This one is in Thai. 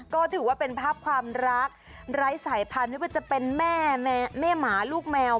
ก็ถือว่าเป็นภาพความรักไร้สายพันธุ์ไม่ว่าจะเป็นแม่หมาลูกแมว